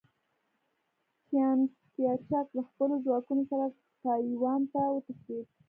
چیانکایچک له خپلو ځواکونو سره ټایوان ته وتښتېد.